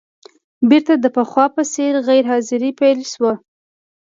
بېرته د پخوا په څېر غیر حاضري پیل شوه.